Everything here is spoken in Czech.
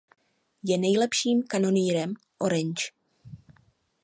Je nejlepším kanonýrem Oranje.